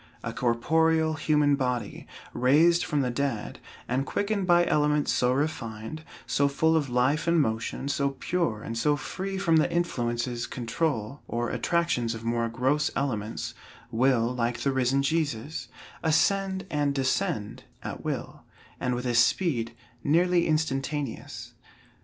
A corporeal, human body, raised from the dead, and quickened by elements so refined, so full of life and motion, so pure, and so free from the influences control, or attractions of more gross elements, will, like the risen Jesus, ascend and descend at will, and with a speed nearly instantaneous.